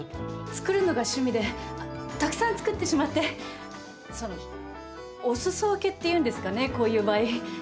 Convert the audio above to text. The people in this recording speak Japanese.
作るのが趣味でたくさん作ってしまってそのお裾分けっていうんですかねこういう場合。